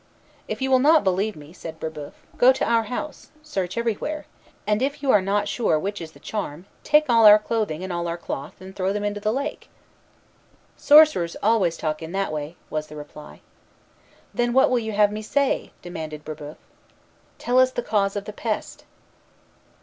"If you will not believe me," said Brébeuf, "go to our house; search everywhere; and if you are not sure which is the charm, take all our clothing and all our cloth, and throw them into the lake." "Sorcerers always talk in that way," was the reply. "Then what will you have me say?" demanded Brébeuf. "Tell us the cause of the pest."